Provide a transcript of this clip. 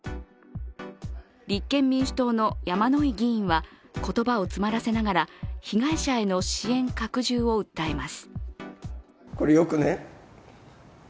立憲民主党の山井議員は、言葉を詰まらせながら被害者への支援拡充を訴えます。